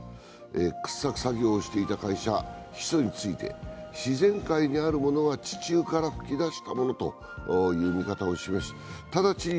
掘削作業をしていた会社はヒ素について自然界にあるものが地中から噴き出したものとの見方を示しただちに